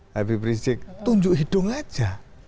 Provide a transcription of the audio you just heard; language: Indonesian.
hp prisik tunjuk hidung saja